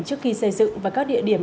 trước khi xây dựng và các địa điểm